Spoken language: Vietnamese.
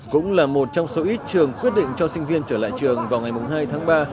cũng là một trong số ít trường quyết định cho sinh viên trở lại trường vào ngày hai tháng ba